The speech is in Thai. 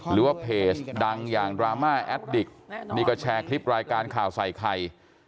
หรือว่าเพจดังอย่างดราม่าแอดดิกนี่ก็แชร์คลิปรายการข่าวใส่ไข่